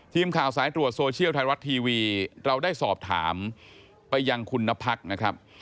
ทีมข่าวสายตรวจโซเชียลไทยรัฐทีวีเราได้สอบถามไปยังคุณนพักนะครับ